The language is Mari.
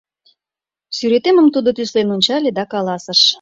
Сӱретемым тудо тӱслен ончале да каласыш: